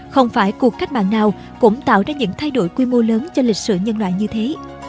không phải cuộc cách mạng nào cũng tạo ra những thay đổi quy mô lớn cho lịch sử nhân loại như thế